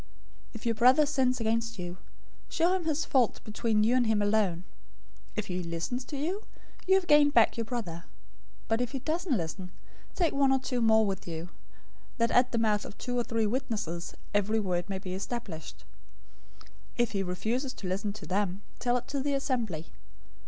018:015 "If your brother sins against you, go, show him his fault between you and him alone. If he listens to you, you have gained back your brother. 018:016 But if he doesn't listen, take one or two more with you, that at the mouth of two or three witnesses every word may be established.{Deuteronomy 19:15} 018:017 If he refuses to listen to them, tell it to the assembly.